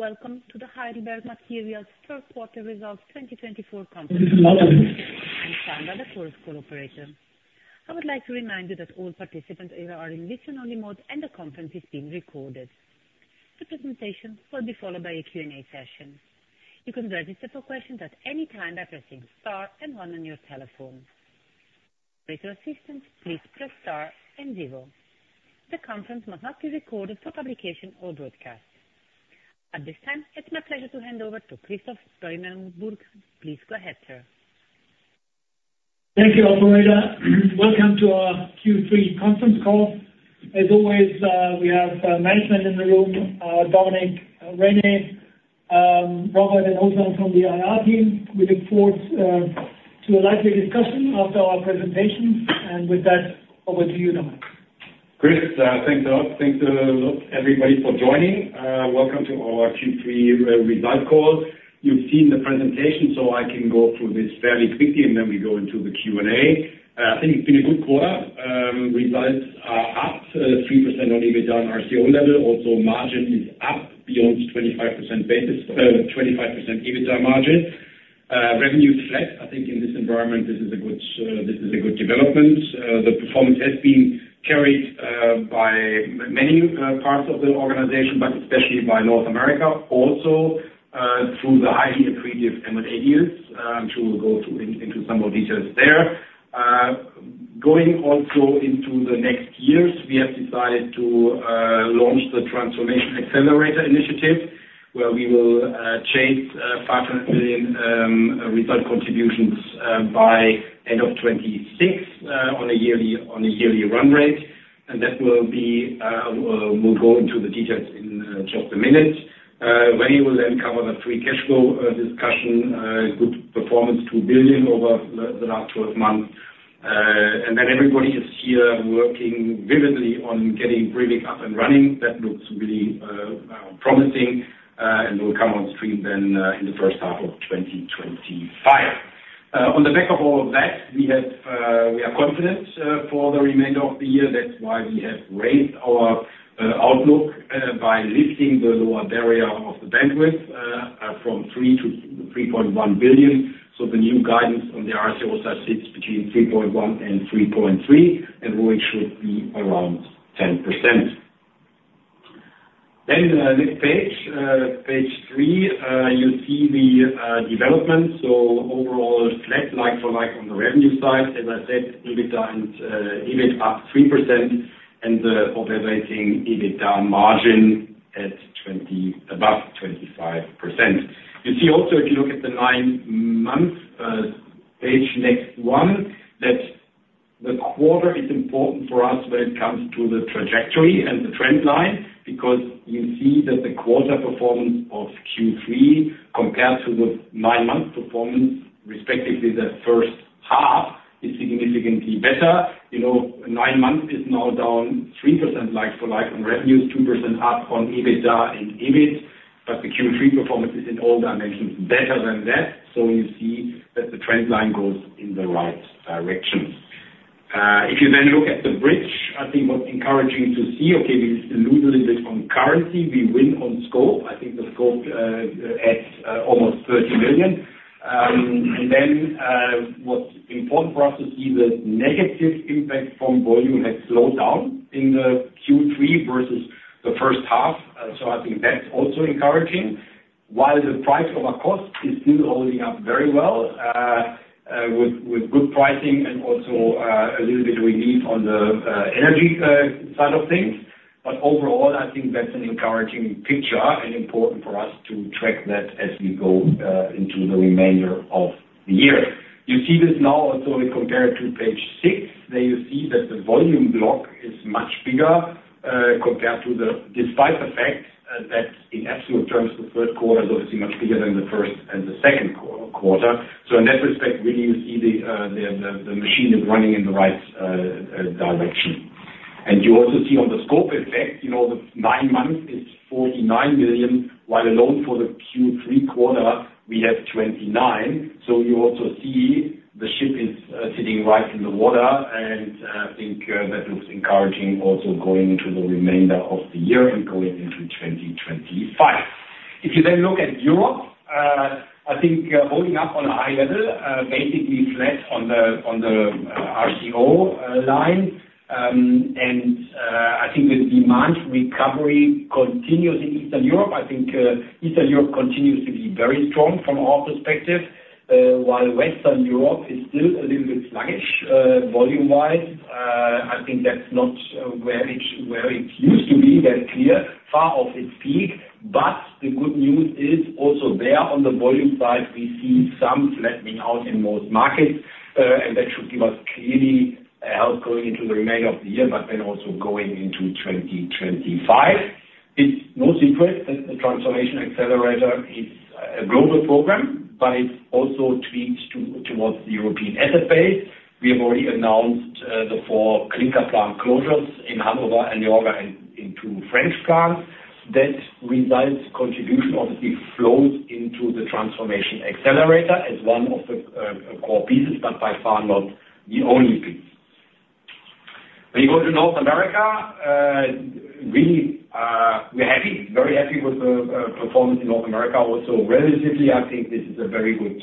Welcome to the Heidelberg Materials third quarter results 2024 conference. I'm Sandra, the Chorus operator. I would like to remind you that all participants are in listen-only mode and the conference is being recorded. The presentation will be followed by a Q&A session. You can register for questions at any time by pressing star and one on your telephone. For further assistance, please press star and zero. The conference must not be recorded for publication or broadcast. At this time, it's my pleasure to hand over to Christoph Beumelburg, please go ahead, sir. Thank you, Operator. Welcome to our Q3 conference call. As always, we have management in the room, Dominik, René, Robert, and also from the IR team. We look forward to a lively discussion after our presentations, and with that, over to you, Dominik. Chris, thanks a lot. Thanks a lot, everybody, for joining. Welcome to our Q3 results call. You've seen the presentation, so I can go through this fairly quickly, and then we go into the Q&A. I think it's been a good quarter. Results are up 3% on EBITDA and RCO level. Also, margin is up beyond 25% EBITDA margin. Revenue is flat. I think in this environment, this is a good development. The performance has been carried by many parts of the organization, but especially by North America. Also, through the highly accretive M&A deals, which we will go into some more details there. Going also into the next years, we have decided to launch the Transformation Accelerator Initiative, where we will chase 500 million result contributions by end of 2026 on a yearly run rate. And that will be, we'll go into the details in just a minute. René will then cover the free cash flow discussion, good performance to 1 billion over the last 12 months. Then everybody is here working vividly on getting Brevik up and running. That looks really promising, and we'll come on stream then in the first half of 2025. On the back of all of that, we are confident for the remainder of the year. That's why we have raised our outlook by lifting the lower barrier of the bandwidth from 3 billion to 3.1 billion. The new guidance on the RCO says it's between 3.1 billion and 3.3 billion, and we should be around 10%. Then the next page, page three, you see the development. Overall, flat like for like on the revenue side. As I said, EBITDA and EBIT up 3% and the operating EBITDA margin at above 25%. You see also, if you look at the nine-month page next one, that the quarter is important for us when it comes to the trajectory and the trend line because you see that the quarter performance of Q3 compared to the nine-month performance, respectively the first half, is significantly better. Nine months is now down 3% like for like on revenues, 2% up on EBITDA and EBIT, but the Q3 performance is in all dimensions better than that. So you see that the trend line goes in the right direction. If you then look at the bridge, I think what's encouraging to see, okay, we lose a little bit on currency, we win on scope. I think the scope at almost 30 million. And then what's important for us to see is that negative impact from volume has slowed down in the Q3 versus the first half. So I think that's also encouraging. While the pricing and our costs is still holding up very well with good pricing and also a little bit relief on the energy side of things. But overall, I think that's an encouraging picture and important for us to track that as we go into the remainder of the year. You see this now also compared to page six, where you see that the volume block is much bigger compared to the, despite the fact that in absolute terms, the third quarter is obviously much bigger than the first and the second quarter. So in that respect, really, you see the machine is running in the right direction. And you also see on the scope effect, the nine months is 49 million, while alone for the Q3, we have 29 million. You also see the ship is sitting right in the water, and I think that looks encouraging also going into the remainder of the year and going into 2025. If you then look at Europe, I think holding up on a high level, basically flat on the RCO line. I think the demand recovery continues in Eastern Europe. I think Eastern Europe continues to be very strong from our perspective, while Western Europe is still a little bit sluggish volume-wise. I think that's not where it used to be, that clear, far off its peak. The good news is also there on the volume side, we see some flattening out in most markets, and that should give us clearly help going into the remainder of the year, but then also going into 2025. It's no secret that the Transformation Accelerator is a global program, but it also tweaks towards the European asset base. We have already announced the four clinker plant closures in Hannover and Añorga and two French plants. That result contribution obviously flows into the Transformation Accelerator as one of the core pieces, but by far not the only piece. When you go to North America, really, we're happy, very happy with the performance in North America. Also relatively, I think this is a very good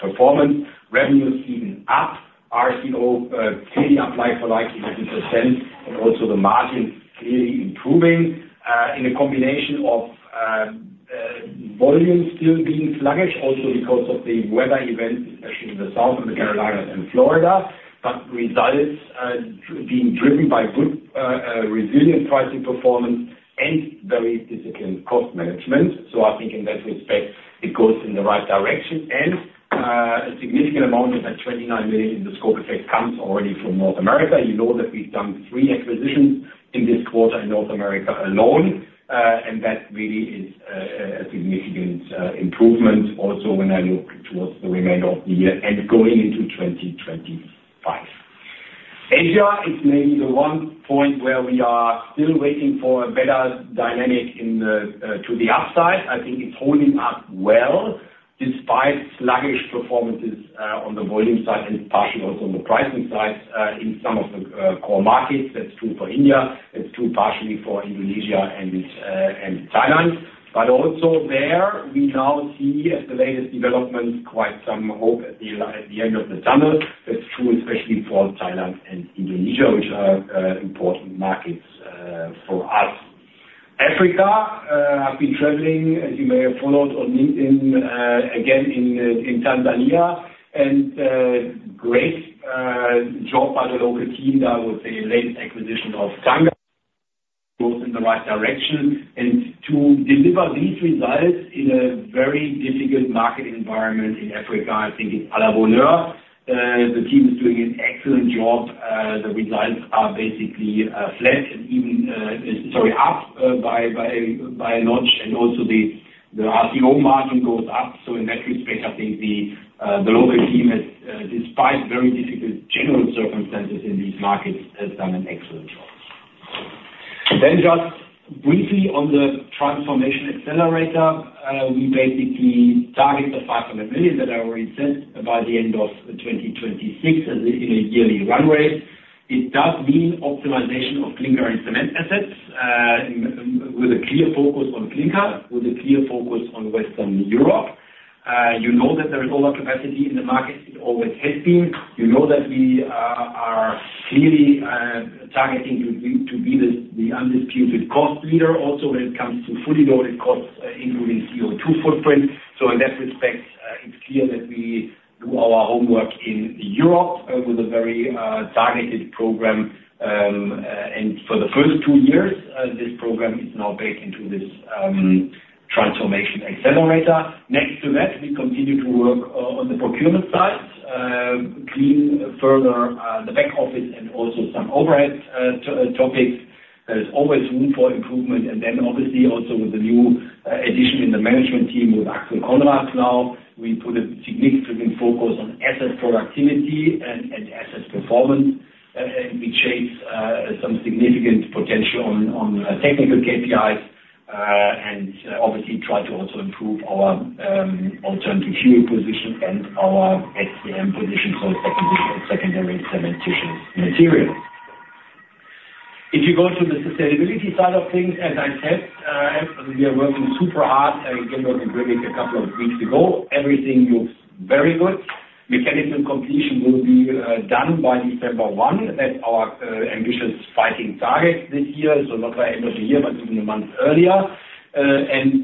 performance. Revenue is even up. RCO clearly up like 100%, and also the margin is clearly improving in a combination of volume still being sluggish, also because of the weather events, especially in the south of the Carolinas and Florida, but results being driven by good resilient pricing performance and very disciplined cost management. So I think in that respect, it goes in the right direction. And a significant amount of that 29 million in the scope effect comes already from North America. You know that we've done three acquisitions in this quarter in North America alone, and that really is a significant improvement also when I look towards the remainder of the year and going into 2025. Asia is maybe the one point where we are still waiting for a better dynamic to the upside. I think it's holding up well despite sluggish performances on the volume side and partially also on the pricing side in some of the core markets. That's true for India. It's true partially for Indonesia and Thailand. But also there, we now see at the latest development quite some hope at the end of the tunnel. That's true especially for Thailand and Indonesia, which are important markets for us. Africa, I've been traveling, as you may have followed on LinkedIn, again in Tanzania, and great job by the local team that was the latest acquisition of Tanga, goes in the right direction. And to deliver these results in a very difficult market environment in Africa, I think it's impressive. The team is doing an excellent job. The results are basically flat and even, sorry, up by a notch. And also the RCO margin goes up. So in that respect, I think the local team, despite very difficult general circumstances in these markets, has done an excellent job. Then just briefly on the Transformation Accelerator, we basically target the €500 million that I already said by the end of 2026 in a yearly run rate. It does mean optimization of clinker and cement assets with a clear focus on clinker, with a clear focus on Western Europe. You know that there is overcapacity in the market. It always has been. You know that we are clearly targeting to be the undisputed cost leader also when it comes to fully loaded costs, including CO2 footprint. So in that respect, it's clear that we do our homework in Europe with a very targeted program. And for the first two years, this program is now baked into this Transformation Accelerator. Next to that, we continue to work on the procurement side, clean further the back office and also some overhead topics. There's always room for improvement. Then obviously also with the new addition in the management team with Axel Conrads now, we put a significant focus on asset productivity and asset performance, and we chase some significant potential on technical KPIs and obviously try to also improve our alternative fuel position and our SCM position for supplementary cementitious materials. If you go to the sustainability side of things, as I said, we are working super hard. I again worked with Brevik a couple of weeks ago. Everything looks very good. Mechanical completion will be done by December 1. That's our ambitious fighting target this year. So not by end of the year, but even a month earlier.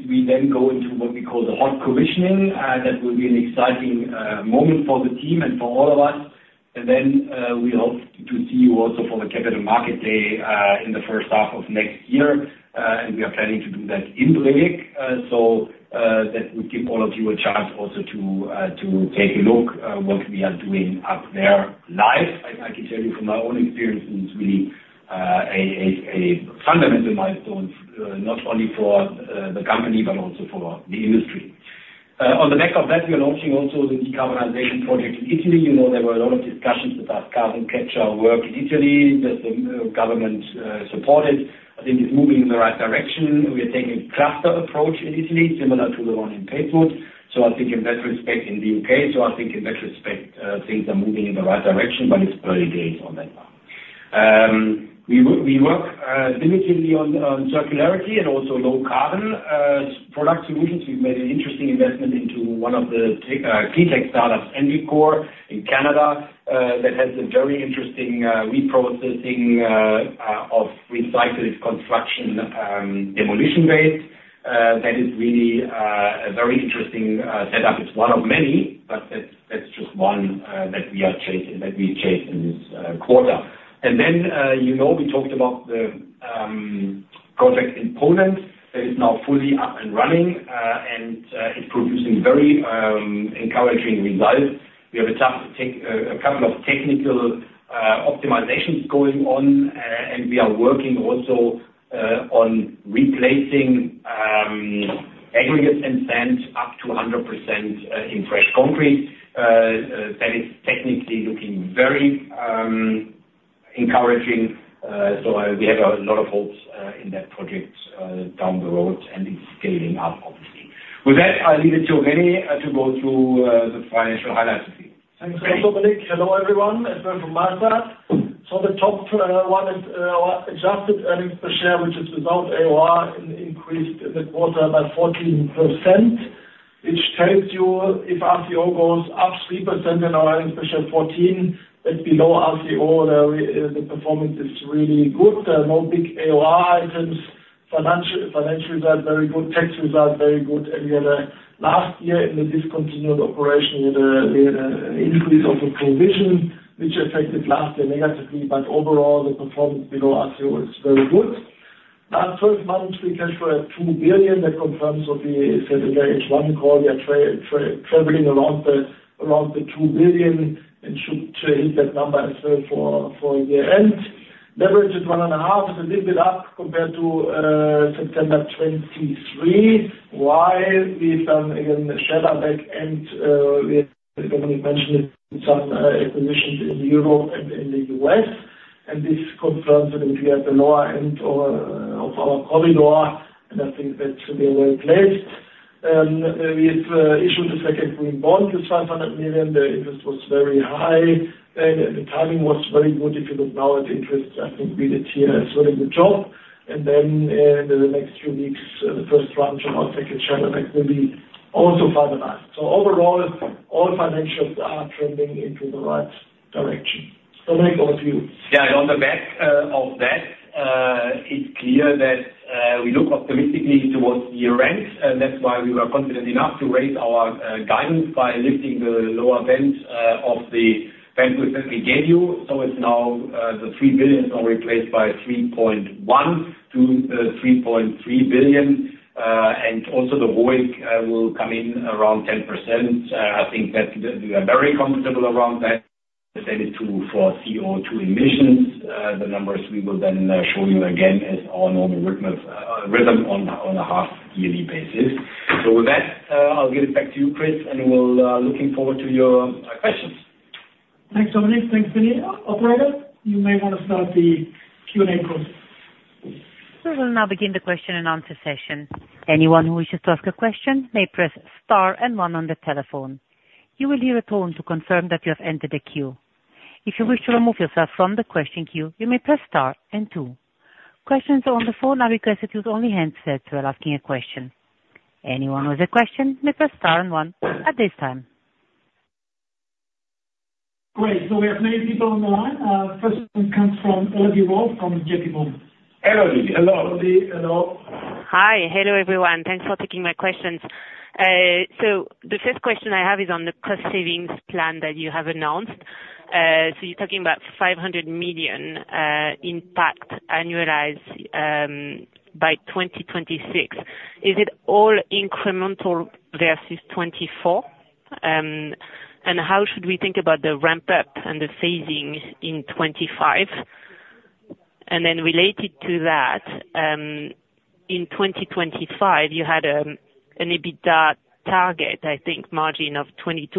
We then go into what we call the hot commissioning. That will be an exciting moment for the team and for all of us. And then we hope to see you also for the Capital Market Day in the first half of next year. And we are planning to do that in Brevik. So that would give all of you a chance also to take a look at what we are doing up there live. I can tell you from my own experience, it's really a fundamental milestone, not only for the company, but also for the industry. On the back of that, we are launching also the decarbonization project in Italy. There were a lot of discussions that our carbon capture work in Italy that the government supported. I think it's moving in the right direction. We are taking a cluster approach in Italy, similar to the one in Padeswood. So I think in that respect in the U.K. So I think in that respect, things are moving in the right direction, but it's early days on that one. We work limitedly on circularity and also low-carbon product solutions. We've made an interesting investment into one of the key tech startups, EnviCore, in Canada that has a very interesting reprocessing of recycled construction demolition waste. That is really a very interesting setup. It's one of many, but that's just one that we are chasing this quarter, and then we talked about the project in Poland that is now fully up and running, and it's producing very encouraging results. We have a couple of technical optimizations going on, and we are working also on replacing aggregates and sand up to 100% in fresh concrete. That is technically looking very encouraging, so we have a lot of hopes in that project down the road, and it's scaling up, obviously. With that, I leave it to René to go through the financial highlights with you. Thanks. Thanks, Dominik. Hello everyone. René Aldach. So the top one is adjusted earnings per share, which is without AOR, increased in the quarter by 14%, which tells you if RCO goes up 3% and our earnings per share 14%, that's below RCO, the performance is really good. No big AOR items. Financial results very good. Tax results very good. And we had a last year in the discontinued operation, we had an increase of the provision, which affected last year negatively, but overall, the performance below RCO is very good. Last 12 months, we cash flowed at EUR 2 billion. That confirms what we said in the H1 call. We are traveling around the 2 billion and should hit that number as well for the end. Leveraged at 1.5, a little bit up compared to September 2023, while we've done again a share buyback end. Dominik mentioned some acquisitions in Europe and in the U.S. And this confirms that we are at the lower end of our corridor, and I think that's a very well placed. We've issued the second green bond to €500 million. The interest was very high, and the timing was very good. If you look now at interest, I think we did here a very good job. And then in the next few weeks, the first round of our second share buyback will be also finalized. So overall, all financials are trending into the right direction. Dominik, over to you. Yeah, on the back of that, it's clear that we look optimistically towards year-end. That's why we were confident enough to raise our guidance by lifting the lower bound of the band that we gave you. So it's now the 3 billion is now replaced by 3.1-3.3 billion. And also the ROIC will come in around 10%. I think that we are very comfortable around that. The same is true for CO2 emissions. The numbers we will then show you again as our normal rhythm on a half-yearly basis. So with that, I'll give it back to you, Chris, and we're looking forward to your questions. Thanks, Dominik. Thanks, René. Operator, you may want to start the Q&A queue. We will now begin the question and answer session. Anyone who wishes to ask a question may press star and one on the telephone. You will hear a tone to confirm that you have entered a queue. If you wish to remove yourself from the question queue, you may press star and two. Questions on the phone are requested with only handsets while asking a question. Anyone with a question may press star and one at this time. Great. We have many people on the line. First one comes from Elodie Rall from JPMorgan. Elodie, hello. Hello, Elodie. Hello. Hi. Hello, everyone. Thanks for taking my questions. The first question I have is on the cost savings plan that you have announced. You are talking about 500 million in impact annualized by 2026. Is it all incremental versus 2024? And how should we think about the ramp-up and the savings in 2025? And then related to that, in 2025, you had an EBITDA target, I think, margin of 22%.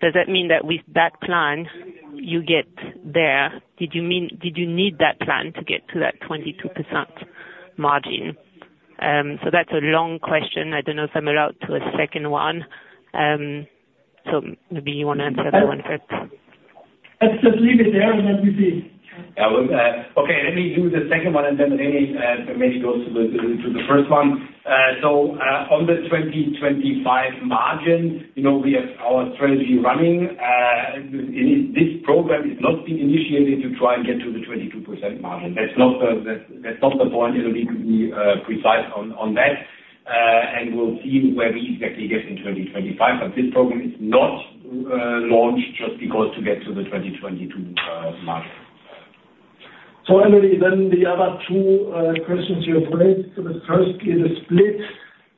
Does that mean that with that plan, you get there? Did you need that plan to get to that 22% margin? So that's a long question. I don't know if I'm allowed to a second one. So maybe you want to answer that one first. Absolutely. Leave it there and then we see. Okay. Let me do the second one, and then René maybe goes to the first one. So on the 2025 margin, we have our strategy running. This program is not being initiated to try and get to the 22% margin. That's not the point. It'll need to be precise on that. And we'll see where we exactly get in 2025. But this program is not launched just because to get to the 22% margin. So, Elodie, then the other two questions you've raised. Firstly, the split.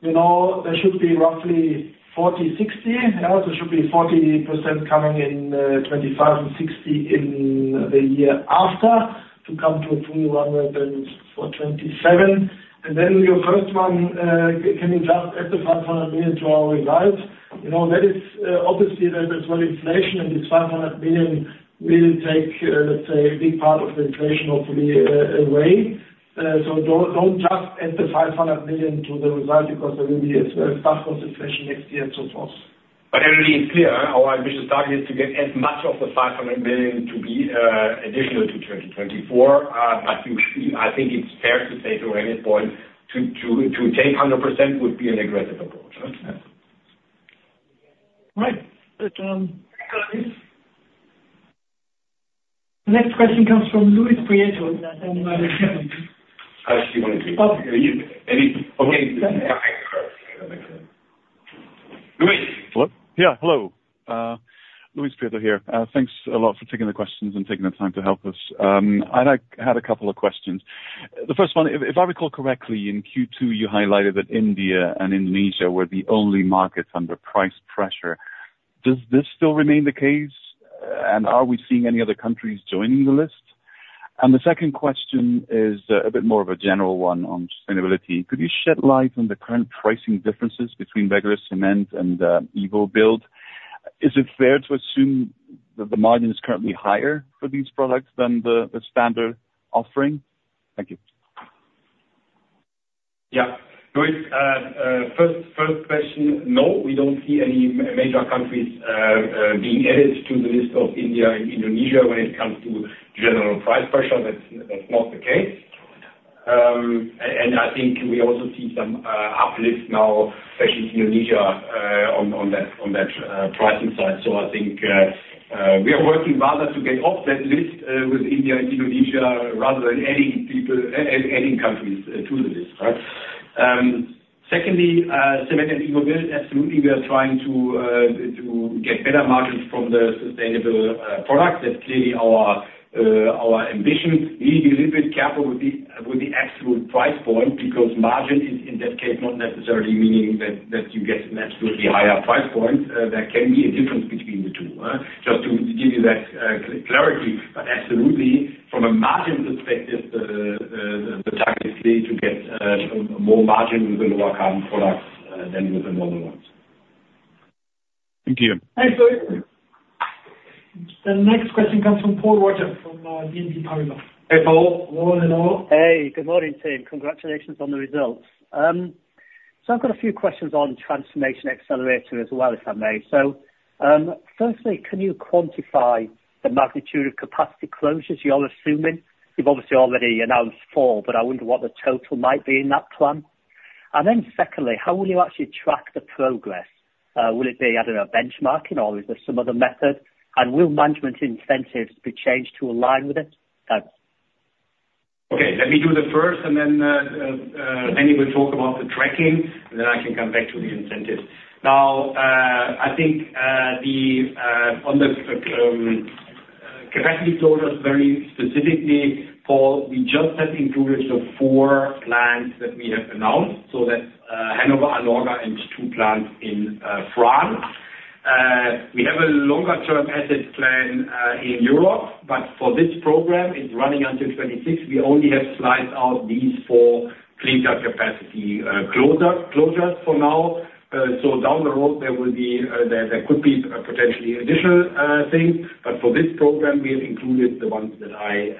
There should be roughly 40/60. There should be 40% coming in 2025 and 60% in the year after to come to 327. And then your first one, can you just add the 500 million to our result? That is obviously there's a lot of inflation, and this 500 million will take, let's say, a big part of the inflation hopefully away. So don't just add the 500 million to the result because there will be a staff concentration next year and so forth. But everything is clear. Our ambitious target is to get as much of the 500 million to be additional to 2024. But I think it's fair to say to René's point to take 100% would be an aggressive approach. Right. The next question comes from Luis Prieto in Kepler Capital. Luis? Yeah. Hello. Luis Prieto here. Thanks a lot for taking the questions and taking the time to help us. I had a couple of questions. The first one, if I recall correctly, in Q2, you highlighted that India and Indonesia were the only markets under price pressure. Does this still remain the case, and are we seeing any other countries joining the list? And the second question is a bit more of a general one on sustainability. Could you shed light on the current pricing differences between regular cement and evoBuild? Is it fair to assume that the margin is currently higher for these products than the standard offering? Thank you. Yeah. First question, no, we don't see any major countries being added to the list of India and Indonesia when it comes to general price pressure. That's not the case. And I think we also see some uplift now, especially Indonesia on that pricing side. So I think we are working rather to get off that list with India and Indonesia rather than adding countries to the list. Secondly, cement and EvoBuild, absolutely, we are trying to get better margins from the sustainable products. That's clearly our ambition. We need to be a little bit careful with the absolute price point because margin is, in that case, not necessarily meaning that you get an absolutely higher price point. There can be a difference between the two, just to give you that clarity. But absolutely, from a margin perspective, the target is clear to get more margin with the lower-carbon products than with the normal ones. Thank you. Thanks, Luis.The next question comes from Paul Roger from Exane BNP Paribas. Hello? Hey. Good morning, Dominik. Congratulations on the results. So I've got a few questions on Transformation Accelerator as well, if I may. So firstly, can you quantify the magnitude of capacity closures you're assuming? You've obviously already announced four, but I wonder what the total might be in that plan. And then secondly, how will you actually track the progress? Will it be, I don't know, benchmarking, or is there some other method? And will management incentives be changed to align with it? Okay. Let me do the first, and then anyone talk about the tracking, and then I can come back to the incentives. Now, I think on the capacity closures, very specifically, Paul, we just have included the four plans that we have announced. So that's Hannover, Añorga, and two plants in France. We have a longer-term asset plan in Europe, but for this program, it's running until 2026. We only have sliced out these four clinker capacity closures for now. So down the road, there could be potentially additional things. But for this program, we have included the ones that I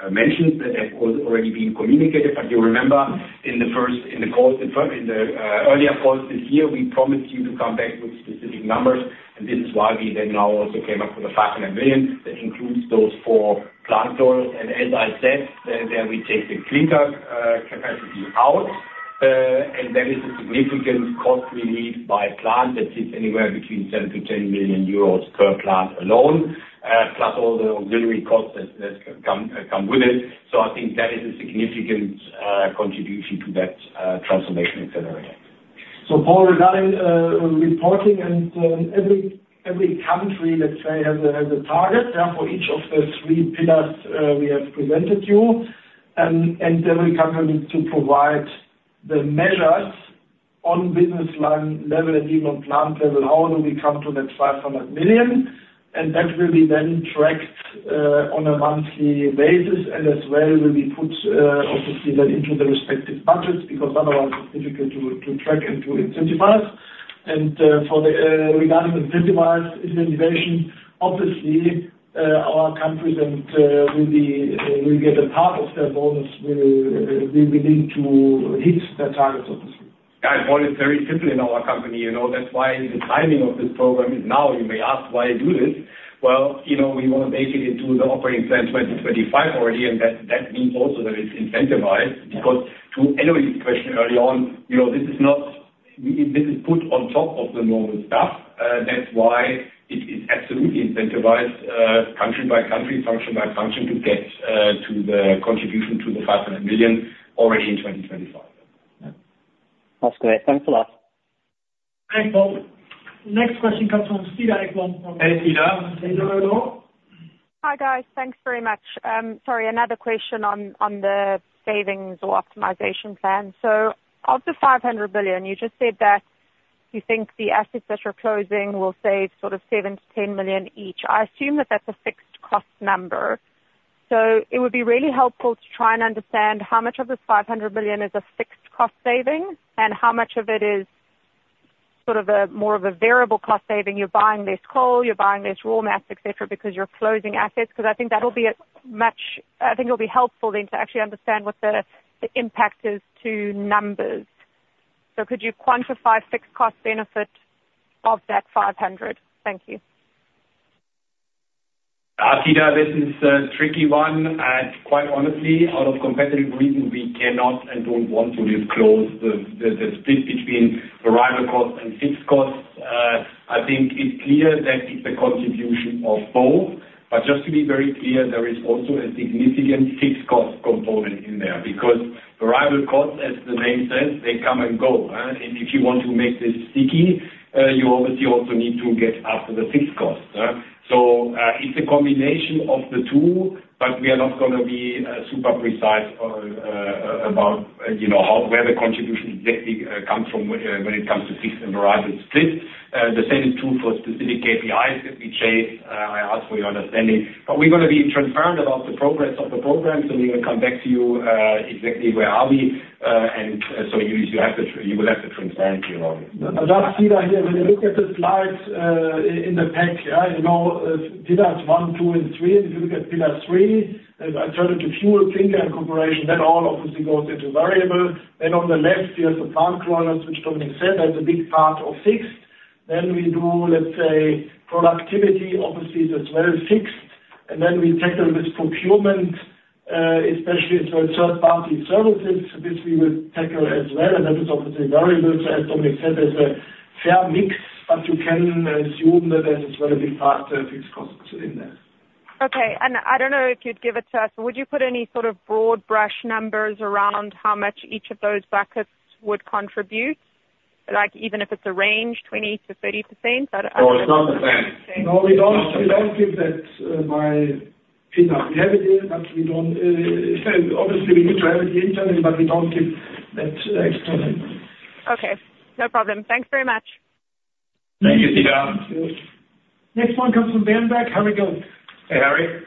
have mentioned that have already been communicated. But you remember, in the earlier calls this year, we promised you to come back with specific numbers. And this is why we then now also came up with a 500 million that includes those four plants. And as I said, then we take the clinker capacity out, and there is a significant cost relief by plant that sits anywhere between 7 million to 10 million euros per plant alone, plus all the auxiliary costs that come with it. So I think that is a significant contribution to that Transformation Accelerator. So, Paul, regarding reporting, and every country, let's say, has a target for each of the three pillars we have presented to you. And then we come to provide the measures on business line level and even on plant level. How do we come to that 500 million? And that will be then tracked on a monthly basis. And as well, we will put, obviously, that into the respective budgets because otherwise, it's difficult to track and to incentivize. And regarding incentivization, obviously, our countries will get a part of their bonus willing to hit their targets, obviously. Yeah. It's very simple in our company. That's why the timing of this program is now. You may ask, why do this? Well, we want to basically do the operating plan 2025 already, and that means also that it's incentivized. Because to Eloise's question early on, this is put on top of the normal stuff. That's why it is absolutely incentivized, country by country, function by function, to get to the contribution to the 500 million already in 2025. That's great. Thanks a lot. Thanks, Paul. Next question comes from Cedar Ekblom. Hey, Cedar. Hello. Hi, guys. Thanks very much. Sorry, another question on the savings or optimization plan. So of the 500 million, you just said that you think the assets that you're closing will save sort of 7-10 million each. I assume that that's a fixed cost number. So it would be really helpful to try and understand how much of the 500 million is a fixed cost saving and how much of it is sort of more of a variable cost saving. You're buying this coal, you're buying this raw mass, etc., because you're closing assets. Because I think it'll be helpful then to actually understand what the impact is to numbers. So could you quantify fixed cost benefit of that 500? Thank you. Cedar, this is a tricky one. Quite honestly, out of competitive reasons, we cannot and don't want to disclose the split between variable cost and fixed cost. I think it's clear that it's a contribution of both. But just to be very clear, there is also a significant fixed cost component in there because variable cost, as the name says, they come and go. If you want to make this sticky, you obviously also need to get after the fixed cost. It's a combination of the two, but we are not going to be super precise about where the contribution exactly comes from when it comes to fixed and variable split. The same is true for specific KPIs that we chase. I ask for your understanding. But we're going to be transparent about the progress of the program, so we're going to come back to you exactly where are we. And so you will have the transparency around it. Cedar, look at the slides in the pack. pillars one, two, and three. And if you look at pillar three, alternative fuel clinker incorporation, that all obviously goes into variable. Then on the left, you have the plant closures, which Dominik said as a big part of fixed. Then we do, let's say, productivity, obviously, is as well fixed. And then we tackle this procurement, especially third-party services. This we will tackle as well, and that is obviously variable, so as Dominik said, there's a fair mix, but you can assume that there's a relatively vast fixed cost in there. Okay. And I don't know if you'd give it to us, but would you put any sort of broad-brush numbers around how much each of those buckets would contribute? Even if it's a range, 20%-30%? No, it's not the same. No, we don't give that by pillar. We have it here, but we don't, obviously. We need to have it internally, but we don't give that extra thing. Okay. No problem. Thanks very much. Thank you, Cedar. Next one comes from Berenberg, Harry Goad. Hey, Harry.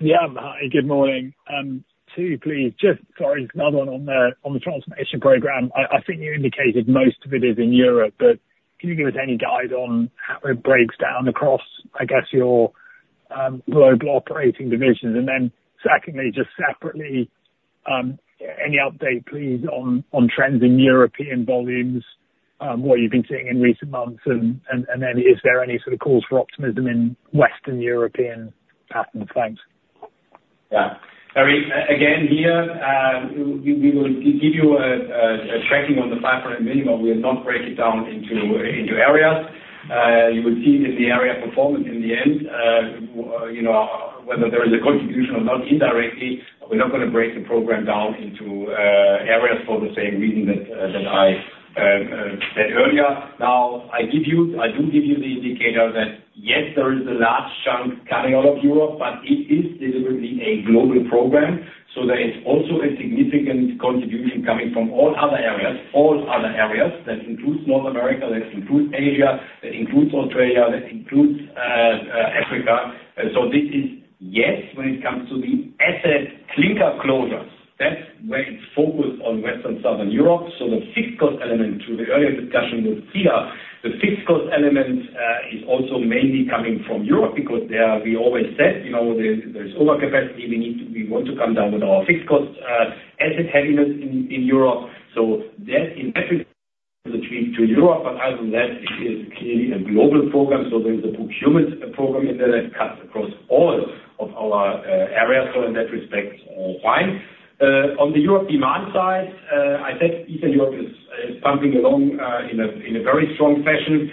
Yeah. Good morning to you, please. Sorry, another one on the transformation program. I think you indicated most of it is in Europe, but can you give us any guide on how it breaks down across, I guess, your global operating divisions? And then secondly, just separately, any update, please, on trends in European volumes, what you've been seeing in recent months, and then is there any sort of calls for optimism in Western European patterns? Thanks. Yeah. Again, here, we will give you a tracking on the 500 million, but we will not break it down into areas. You will see it in the area of performance in the end, whether there is a contribution or not indirectly. We're not going to break the program down into areas for the same reason that I said earlier. Now, I do give you the indicator that, yes, there is a large chunk coming out of Europe, but it is deliberately a global program. There is also a significant contribution coming from all other areas, all other areas that include North America, that include Asia, that includes Australia, that includes Africa. This is, yes, when it comes to the asset clinker closures, that's where it's focused on Western and Southern Europe. The fixed cost element, to the earlier discussion with Cedar, the fixed cost element is also mainly coming from Europe because we always said there's overcapacity. We want to come down with our fixed cost asset heaviness in Europe. That inevitably leads to Europe. But other than that, it is clearly a global program. There is a procurement program in there that cuts across all of our areas. In that respect, all fine. On the Europe demand side, I said Eastern Europe is pumping along in a very strong fashion.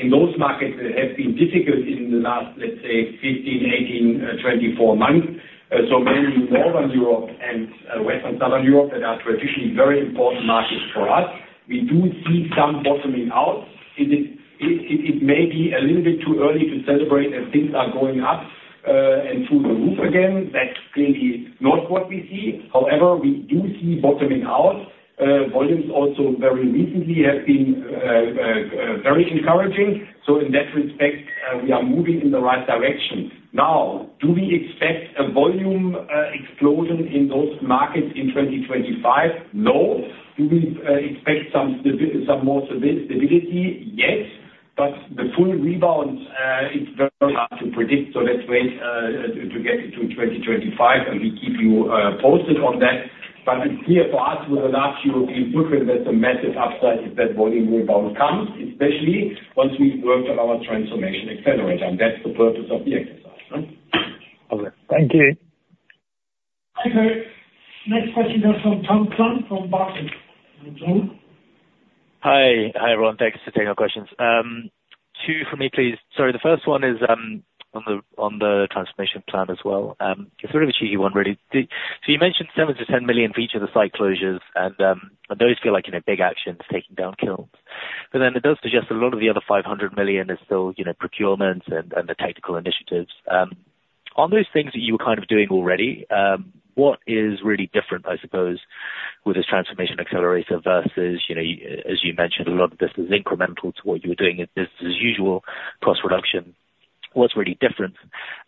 In those markets, it has been difficult in the last, let's say, 15, 18, 24 months. Mainly Northern Europe and Western and Southern Europe that are traditionally very important markets for us. We do see some bottoming out. It may be a little bit too early to celebrate that things are going up and through the roof again. That's clearly not what we see. However, we do see bottoming out. Volumes also very recently have been very encouraging. In that respect, we are moving in the right direction. Now, do we expect a volume explosion in those markets in 2025? No. Do we expect some more stability? Yes. The full rebound, it's very hard to predict. Let's wait to get it to 2025, and we keep you posted on that. But it's clear for us with the large European footprint, there's a massive upside if that volume rebound comes, especially once we've worked on our Transformation Accelerator. And that's the purpose of the exercise. Thank you. Thank you. Next question comes from Tom Zhang from Barclays. Hi. Hi, everyone. Thanks for taking our questions. Two for me, please. Sorry. The first one is on the transformation plan as well. It's a bit of a cheeky one, really. So you mentioned 7 million to 10 million for each of the site closures, and those feel like big actions taking down kilns. But then it does suggest a lot of the other 500 million is still procurements and the technical initiatives. On those things that you were kind of doing already, what is really different, I suppose, with this Transformation Accelerator versus, as you mentioned, a lot of this is incremental to what you were doing as business as usual, cost reduction? What's really different?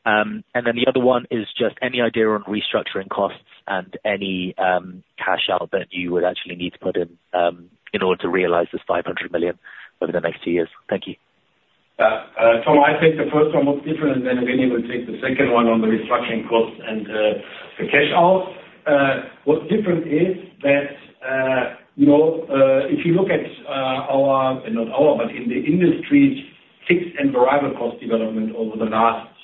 And then the other one is just any idea on restructuring costs and any cash out that you would actually need to put in in order to realize this 500 million over the next two years? Thank you. Tom, I think the first one was different, and then Elodie will take the second one on the restructuring costs and the cash out. What's different is that if you look at our, not our, but in the industry's fixed and variable cost development over the last,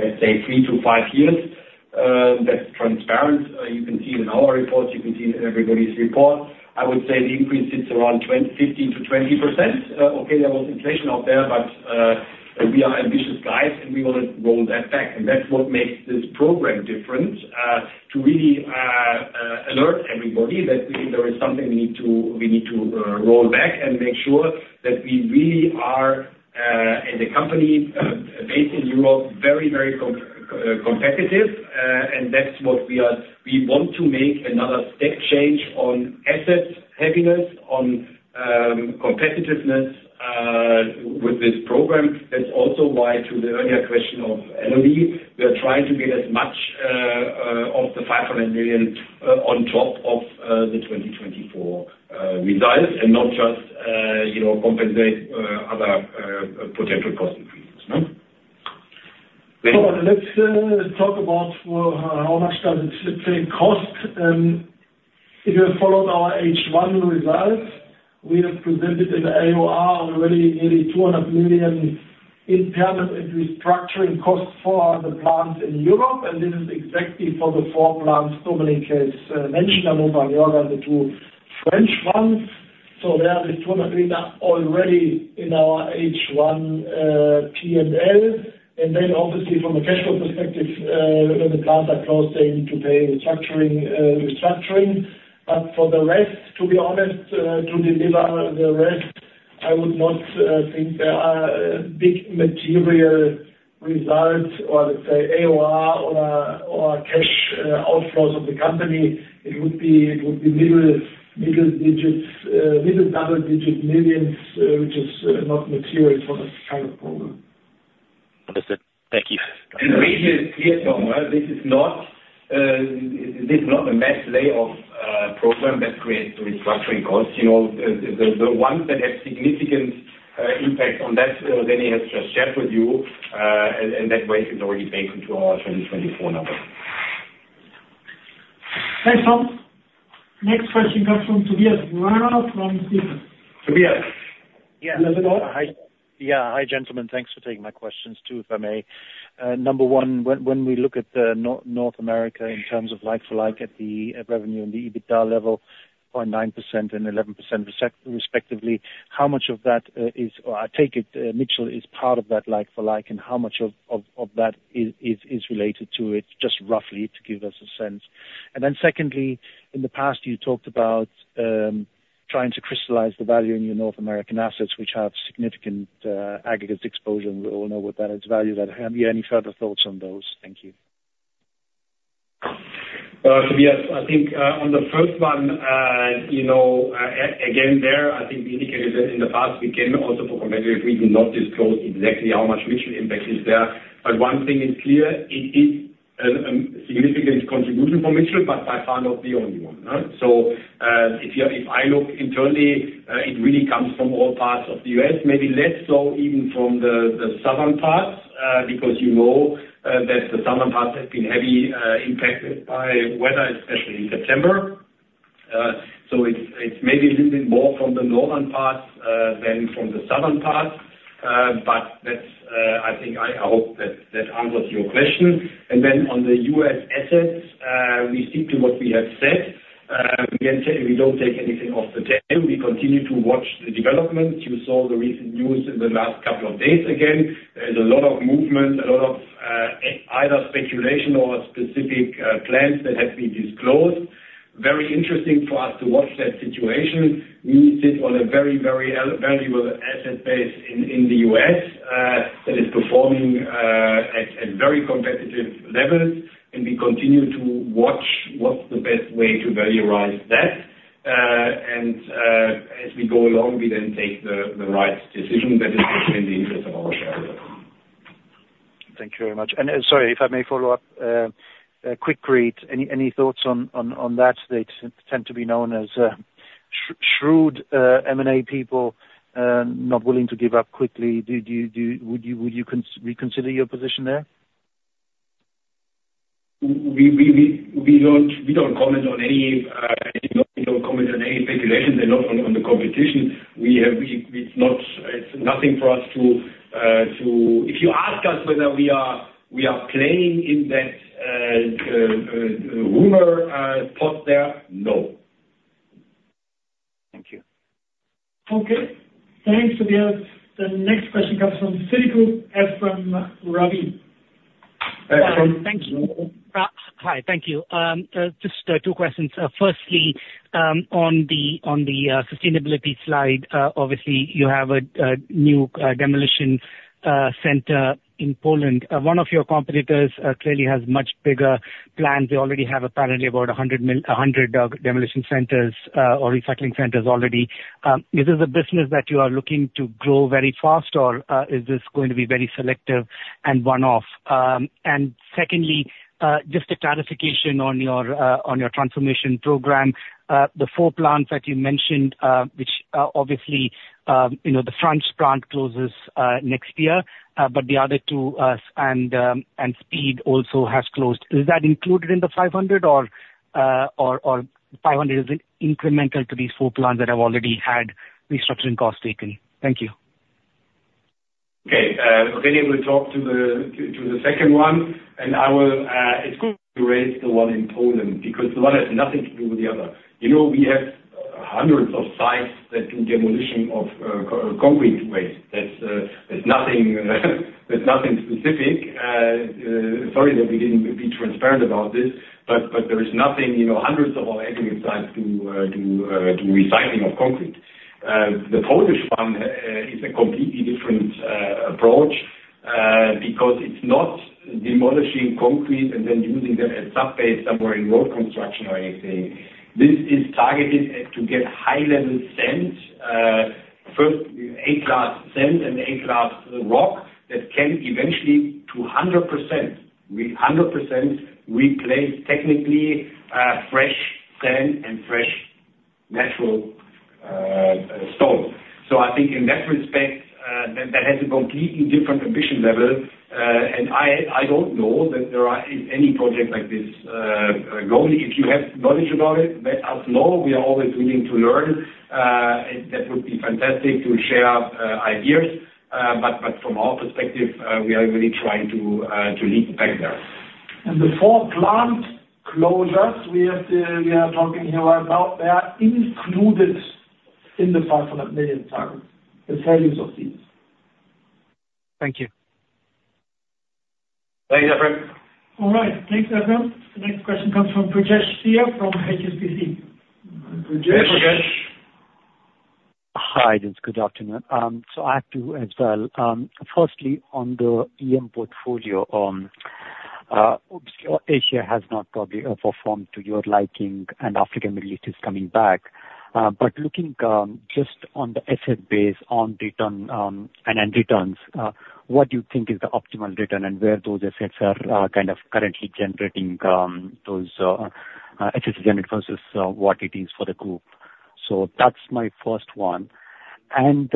let's say, three to five years, that's transparent. You can see it in our reports. You can see it in everybody's report. I would say the increase sits around 15%-20%. Okay, there was inflation out there, but we are ambitious guys, and we want to roll that back. And that's what makes this program different to really alert everybody that there is something we need to roll back and make sure that we really are, as a company based in Europe, very, very competitive. And that's what we want to make another step change on asset heaviness, on competitiveness with this program. That's also why, to the earlier question of Elodie, we are trying to get as much of the 500 million on top of the 2024 results and not just compensate other potential cost increases. Let's talk about how much does it, let's say, cost. If you followed our H1 results, we have presented in the AOR already nearly 200 million in permanent restructuring costs for the plants in Europe, and this is exactly for the four plants Dominik has mentioned, and also on the other two French ones, so there are these EUR 200 million already in our H1 P&L, and then, obviously, from a cash flow perspective, when the plants are closed, they need to pay restructuring. But for the rest, to be honest, to deliver the rest, I would not think there are big material results or, let's say, AOR or cash outflows of the company. It would be middle digits, middle double digit millions, which is not material for this kind of program. Understood. Thank you. This is not a mass layoff program that creates restructuring costs. The ones that have significant impact on that, René has just shared with you, and that way it is already baked into our 2024 number. Thanks, Tom. Next question comes from Tobias Woerner from Stifel. Tobias. Yeah. Hi, gentlemen. Thanks for taking my questions too, if I may. Number one, when we look at North America in terms of like-for-like at the revenue and the EBITDA level, 0.9% and 11% respectively, how much of that is, or I take it Mitchell is part of that like-for-like, and how much of that is related to it, just roughly to give us a sense? And then secondly, in the past, you talked about trying to crystallize the value in your North American assets, which have significant aggregate exposure, and we all know what that is valued. Have you any further thoughts on those? Thank you. Tobias, I think on the first one, again, there, I think the indication that in the past, we can also for competitive reasons not disclose exactly how much Mitchell impact is there. But one thing is clear. It is a significant contribution for Mitchell, but by far not the only one. So if I look internally, it really comes from all parts of the U.S., maybe less so even from the southern parts because you know that the southern parts have been heavily impacted by weather, especially in September. So it's maybe a little bit more from the northern parts than from the southern parts. But I think I hope that answers your question, and then on the U.S. assets, we stick to what we have said. We don't take anything off the table. We continue to watch the development. You saw the recent news in the last couple of days again. There is a lot of movement, a lot of either speculation or specific plans that have been disclosed. Very interesting for us to watch that situation. We sit on a very, very valuable asset base in the U.S. that is performing at very competitive levels. And we continue to watch what's the best way to valorize that. And as we go along, we then take the right decision that is in the best interests of our shareholders. Thank you very much. And sorry, if I may follow up, quickly. Any thoughts on that? They tend to be known as shrewd M&A people, not willing to give up quickly. Would you reconsider your position there? We don't comment on any speculation. They're not the competition. It's nothing for us to if you ask us whether we are playing in that rumor pot there, no. Thank you. Okay. Thanks, Tobias. The next question comes from Citigroup, Ephrem Ravi. Hi. Thank you. Hi. Thank you. Just two questions. Firstly, on the sustainability slide, obviously, you have a new demolition center in Poland. One of your competitors clearly has much bigger plans. They already have apparently about 100 demolition centers or recycling centers already. Is this a business that you are looking to grow very fast, or is this going to be very selective and one-off? And secondly, just a clarification on your transformation program. The four plants that you mentioned, which obviously the French plant closes next year, but the other two, and Speed also has closed. Is that included in the 500, or 500 is incremental to these four plants that have already had restructuring costs taken? Thank you. Okay. René will talk to the second one, and I will. It's good to raise the one in Poland because the one has nothing to do with the other. We have hundreds of sites that do demolition of concrete waste. There's nothing specific. Sorry that we didn't be transparent about this, but there is nothing. Hundreds of our aggregate sites do recycling of concrete. The Polish one is a completely different approach because it's not demolishing concrete and then using that at subbase somewhere in road construction or anything. This is targeted to get high-level sand, first A-class sand and A-class rock that can eventually to 100% replace technically fresh sand and fresh natural stone. So I think in that respect, that has a completely different ambition level. And I don't know that there is any project like this going. If you have knowledge about it, let us know. We are always willing to learn. That would be fantastic to share ideas. But from our perspective, we are really trying to lead the pack there. And the four plant closures we are talking here right now, they are included in the €500 million targets, the values of these. Thank you. Thanks, Ephrem. All right. Thanks, Ephrem. The next question comes from Rajesh Kumar from HSBC. Rajesh. Hi, Dom. Good afternoon. So I have to as well. Firstly, on the EM portfolio, Asia has not probably performed to your liking, and Africa Middle East is coming back. But looking just on the asset base on return and returns, what do you think is the optimal return and where those assets are kind of currently generating those assets generated versus what it is for the group? So that's my first one. And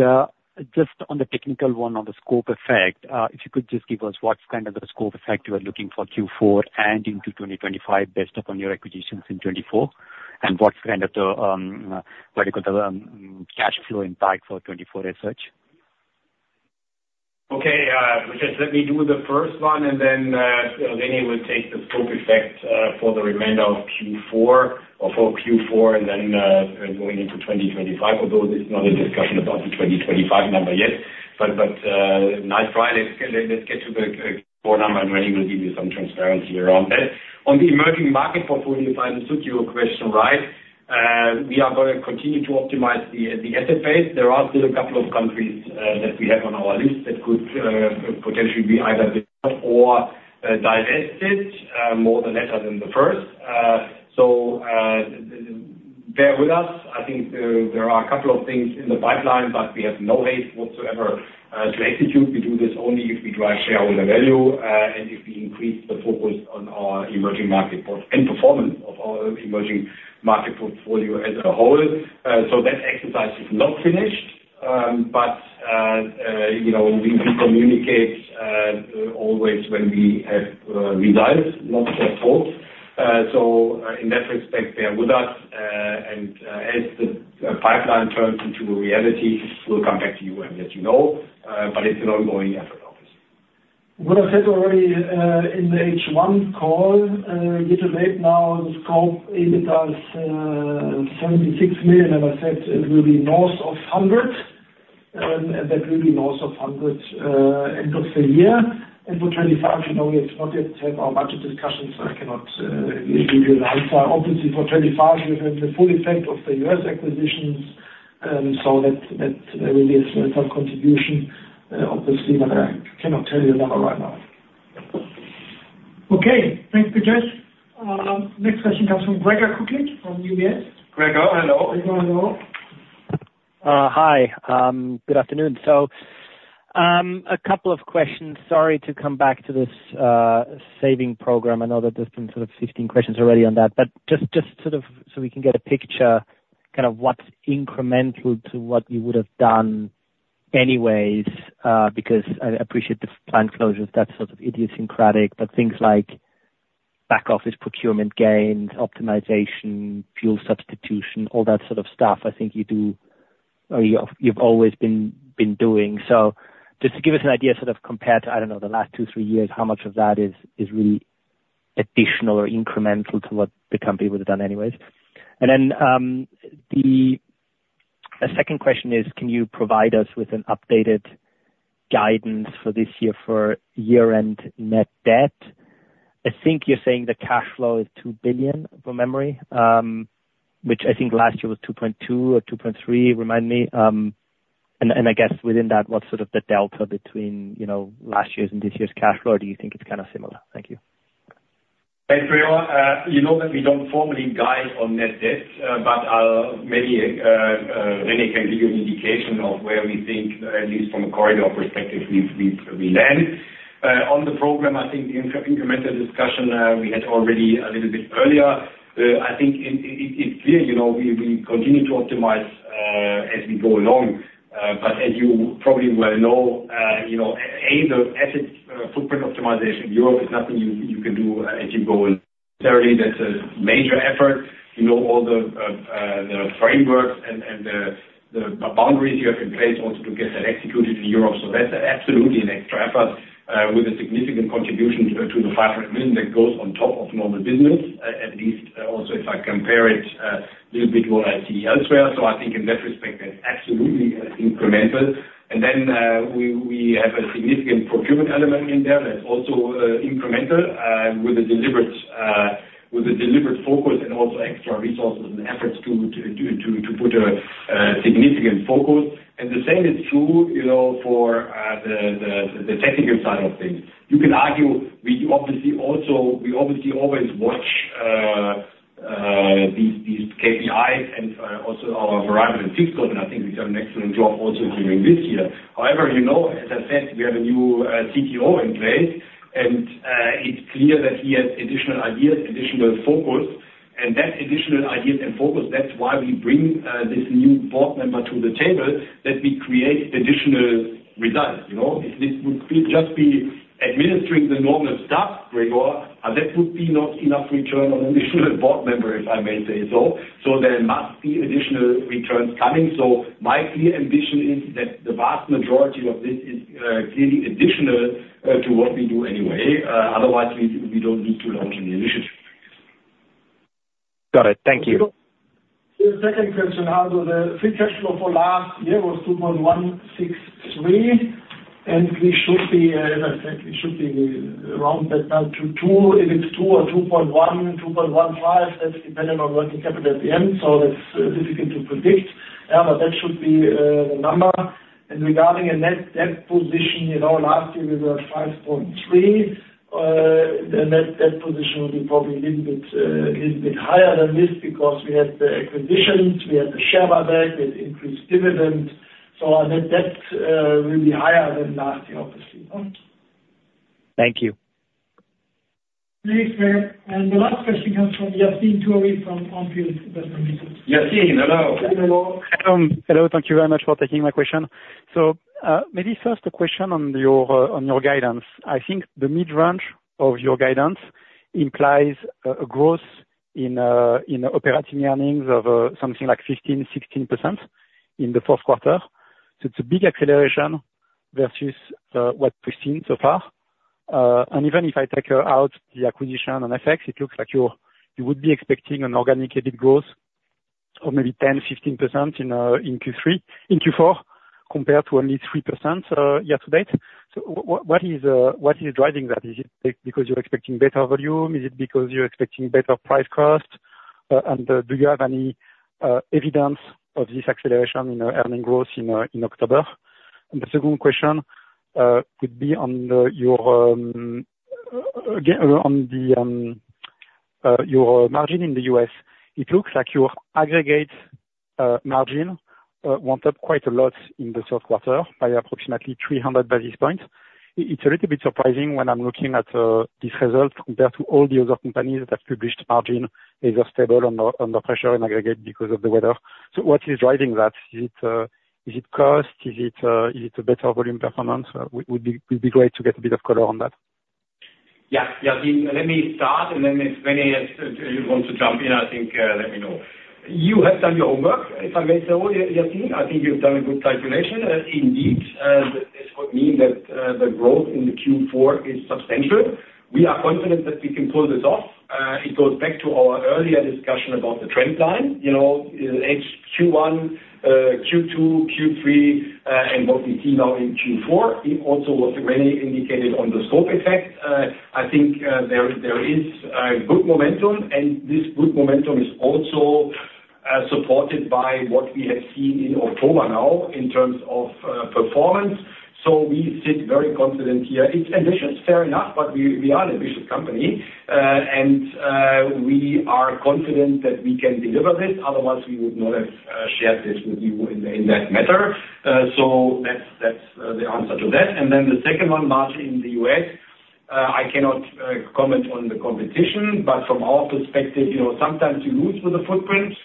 just on the technical one, on the scope effect, if you could just give us what's kind of the scope effect you are looking for Q4 and into 2025 based upon your acquisitions in 2024, and what's kind of the what do you call the cash flow impact for 2024 results? Okay. Rajesh, let me do the first one, and then René will take the scope effect for the remainder of Q4 or for Q4 and then going into 2025, although there's not a discussion about the 2025 number yet. But nice try. Let's get to the Q4 number, and René will give you some transparency around that. On the emerging market portfolio, if I understood your question right, we are going to continue to optimize the asset base. There are still a couple of countries that we have on our list that could potentially be either built or divested, more the latter than the first. So bear with us. I think there are a couple of things in the pipeline, but we have no haste whatsoever to execute. We do this only if we drive shareholder value and if we increase the focus on our emerging market portfolio and performance of our emerging market portfolio as a whole. So that exercise is not finished, but we communicate always when we have results, not just thoughts. So in that respect, bear with us. As the pipeline turns into a reality, we'll come back to you and let you know. But it's an ongoing effort, obviously. What I said already in the H1 call, year to date now, the scope EBITDA is 76 million, and I said it will be north of 100 million, and that will be north of 100 million end of the year. And for 2025, you know we have not yet had our budget discussion, so I cannot give you the answer. Obviously, for 2025, we've had the full effect of the US acquisitions, so that will be a small contribution, obviously, but I cannot tell you the number right now. Okay. Thanks, Rajesh. Next question comes from Gregor Kuglitsch from UBS. Gregor, hello. Gregor, hello. Hi. Good afternoon, folks. So a couple of questions. Sorry to come back to this saving program. I know that there's been sort of 15 questions already on that. But just sort of so we can get a picture kind of what's incremental to what you would have done anyways because I appreciate the plant closures. That's sort of idiosyncratic, but things like back-office procurement gains, optimization, fuel substitution, all that sort of stuff, I think you've always been doing. So just to give us an idea sort of compared to, I don't know, the last two, three years, how much of that is really additional or incremental to what the company would have done anyways. And then the second question is, can you provide us with an updated guidance for this year for year-end net debt? I think you're saying the cash flow is 2 billion from memory, which I think last year was 2.2 billion or 2.3 billion, remind me. I guess within that, what's sort of the delta between last year's and this year's cash flow? Do you think it's kind of similar? Thank you. Thanks, everyone. You know that we don't formally guide on net debt, but maybe René can give you an indication of where we think, at least from a corridor perspective, we land. On the program, I think the incremental discussion we had already a little bit earlier. I think it's clear. We continue to optimize as we go along. But as you probably well know, A, the asset footprint optimization in Europe is nothing you can do as you go in. Certainly, that's a major effort. All the frameworks and the boundaries you have in place also to get that executed in Europe. So that's absolutely an extra effort with a significant contribution to the 500 million that goes on top of normal business, at least also if I compare it a little bit what I see elsewhere. So I think in that respect, that's absolutely incremental. And then we have a significant procurement element in there that's also incremental with a deliberate focus and also extra resources and efforts to put a significant focus. And the same is true for the technical side of things. You can argue we obviously always watch these KPIs and also our variable and fixed goals, and I think we've done an excellent job also during this year. However, as I said, we have a new CTO in place, and it's clear that he has additional ideas, additional focus. And that additional ideas and focus, that's why we bring this new board member to the table that we create additional results. If this would just be administering the normal stuff, Gregor, that would be not enough return on additional board member, if I may say so. So there must be additional returns coming. So my clear ambition is that the vast majority of this is clearly additional to what we do anyway. Otherwise, we don't need to launch any initiative. Got it. Thank you. Second question, what was the free cash flow for last year? It was 2.163 billion, and we should be, as I said, we should be around that now, 2 billion. If it's 2 billion or 2.1 billion, 2.15 billion, that's dependent on working capital at the end, so that's difficult to predict. But that should be the number. And regarding a net debt position, last year we were at 5.3 billion. The net debt position will be probably a little bit higher than this because we had the acquisitions, we had the share buyback, we had increased dividends, so our net debt will be higher than last year, obviously. Thank you. Thanks, Greg. And the last question comes from Yassine Touahri from On Field Investment Research. Yassine, hello. Hello. Hello. Hello. Thank you very much for taking my question, so maybe first a question on your guidance. I think the mid-range of your guidance implies a growth in operating earnings of something like 15%-16% in the fourth quarter, so it's a big acceleration versus what we've seen so far, and even if I take out the acquisition one-off effects, it looks like you would be expecting an organic EBIT growth of maybe 10%-15% in Q4 compared to only 3% year to date. So what is driving that? Is it because you're expecting better volume? Is it because you're expecting better price cost? And do you have any evidence of this acceleration in earnings growth in October? And the second question would be on your margin in the U.S. It looks like your aggregate margin went up quite a lot in the third quarter by approximately 300 basis points. It's a little bit surprising when I'm looking at this result compared to all the other companies that have published margin as a stable under pressure in aggregate because of the weather. So what is driving that? Is it cost? Is it a better volume performance? It would be great to get a bit of color on that. Yeah. Yassine, let me start, and then if René wants to jump in, I think let me know. You have done your homework, if I may say, Yasin. I think you've done a good calculation. Indeed, this would mean that the growth in Q4 is substantial. We are confident that we can pull this off. It goes back to our earlier discussion about the trend line. Q1, Q2, Q3, and what we see now in Q4, also what René indicated on the scope effect, I think there is good momentum, and this good momentum is also supported by what we have seen in October now in terms of performance. So we sit very confident here. It's ambitious, fair enough, but we are an ambitious company, and we are confident that we can deliver this. Otherwise, we would not have shared this with you in that matter. So that's the answer to that. And then the second one, margin in the U.S., I cannot comment on the competition, but from our perspective, sometimes you lose with the footprint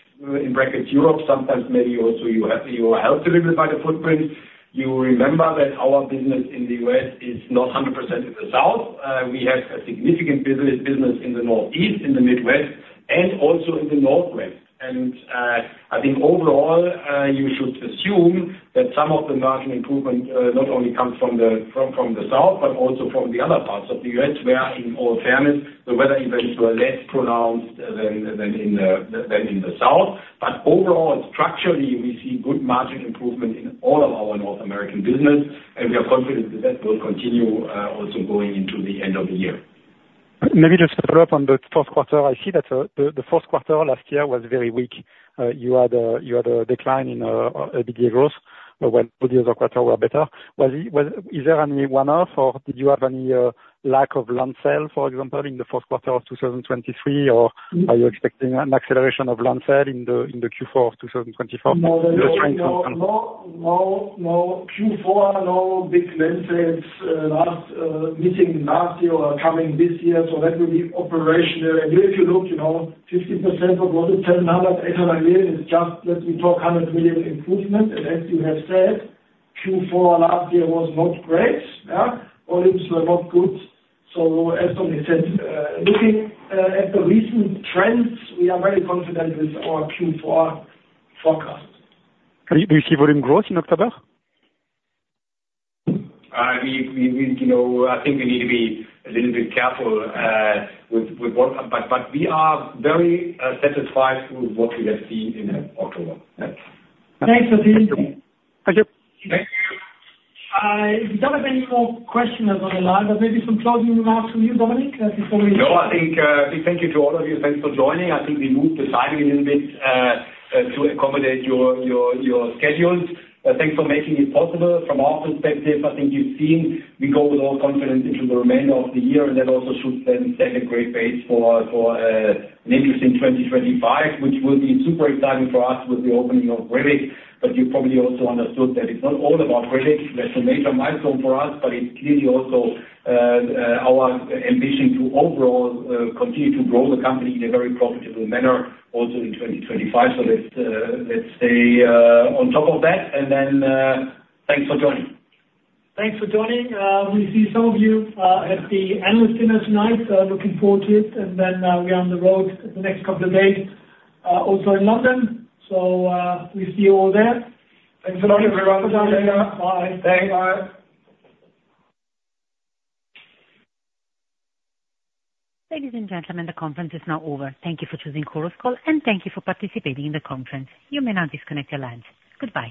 in brackets Europe. Sometimes maybe also you are helped a little bit by the footprint. You remember that our business in the U.S. is not 100% in the South. We have a significant business in the Northeast, in the Midwest, and also in the Northwest. And I think overall, you should assume that some of the margin improvement not only comes from the South, but also from the other parts of the U.S., where, in all fairness, the weather events were less pronounced than in the South. But overall, structurally, we see good margin improvement in all of our North American business, and we are confident that that will continue also going into the end of the year. Maybe just to follow up on the fourth quarter, I see that the fourth quarter last year was very weak. You had a decline in EBITDA growth, while the other quarter were better. Is there any one-off, or did you have any lack of land sales, for example, in the fourth quarter of 2023, or are you expecting an acceleration of land sale in the Q4 of 2024? No, no, no. Q4, no big land sales missing last year or coming this year. So that will be operationally. If you look, 50% of what is 700 million-800 million is just, let me talk, 100 million improvement. And as you have said, Q4 last year was not great. All is not good. So as René said, looking at the recent trends, we are very confident with our Q4 forecast. Do you see volume growth in October? I think we need to be a little bit careful with what, but we are very satisfied with what we have seen in October. Thanks, Yassine. Thank you. Thank you. I don't have any more questions other than that. Maybe some closing remarks from you, Dominik, before we? No, I think a big thank you to all of you. Thanks for joining. I think we moved the timing a little bit to accommodate your schedules. Thanks for making it possible. From our perspective, I think you've seen we go with all confidence into the remainder of the year, and that also should set a great base for an interesting 2025, which will be super exciting for us with the opening of Brevik, but you probably also understood that it's not all about Brevik. That's a major milestone for us, but it's clearly also our ambition to overall continue to grow the company in a very profitable manner also in 2025. So let's stay on top of that, and then thanks for joining. Thanks for joining. We see some of you at the analyst dinner tonight. Looking forward to it, and then we are on the road the next couple of days, also in London. So we see you all there. Thanks a lot, everyone. Thanks, everyone. Bye. Thanks. Bye. Ladies and gentlemen, the conference is now over. Thank you for choosing Chorus Call, and thank you for participating in the conference. You may now disconnect your lines. Goodbye.